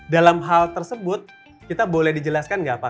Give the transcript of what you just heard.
dalam hal tersebut kita boleh dijelaskan nggak pak